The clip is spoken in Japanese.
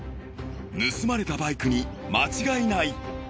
盗まれたバイクに間違いない。